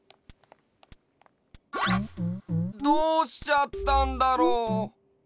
どうしちゃったんだろう？